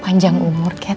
panjang umur kat